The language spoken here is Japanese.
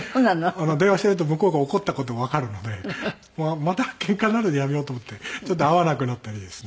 電話してると向こうが怒った事がわかるのでまたけんかになるんでやめようと思ってちょっと会わなくなったりですね。